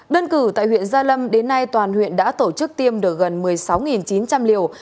đơn cử tại huyện gia lâm đến nay toàn huyện đã tổ chức tiêm được gần một mươi sáu chín trăm linh liều